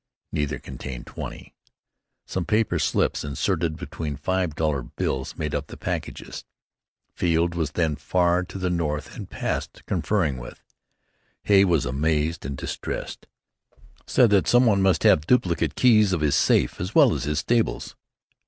Neither contained twenty. Some paper slips inserted between five dollar bills made up the packages. Field was then far to the north and past conferring with. Hay was amazed and distressed said that someone must have duplicate keys of his safe as well as of his stables."